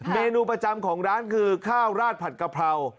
เมนูประจำของร้านคือข้าวราดผัดกะเพรา